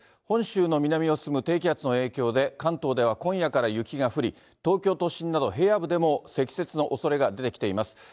本州の南を進む低気圧の影響で、関東では今夜から雪が降り、東京都心など平野部でも、積雪のおそれが出てきています。